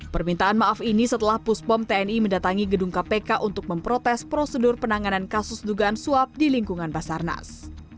permintaan maaf ini setelah puspom tni mendatangi gedung kpk untuk memprotes prosedur penanganan kasus dugaan suap di lingkungan basarnas